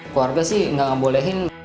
keluarga sih nggak bolehin